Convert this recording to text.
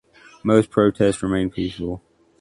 Most protests remained peaceful.